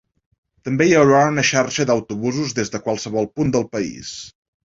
També hi haurà una xarxa d’autobusos des de qualsevol punt del país.